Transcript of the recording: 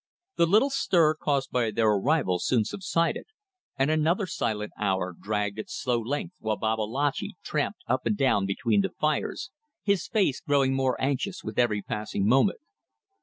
The little stir caused by their arrival soon subsided, and another silent hour dragged its slow length while Babalatchi tramped up and down between the fires, his face growing more anxious with every passing moment.